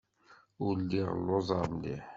Ur lliɣ lluẓeɣ mliḥ.